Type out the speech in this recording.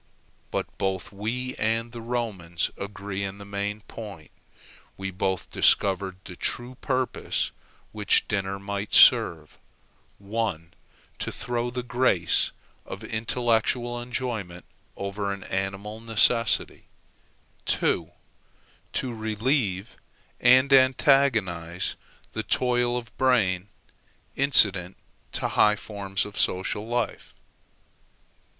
But both we and the Romans agree in the main point; we both discovered the true purpose which dinner might serve, 1, to throw the grace of intellectual enjoyment over an animal necessity; 2, to relieve and antagonize the toil of brain incident to high forms of social life.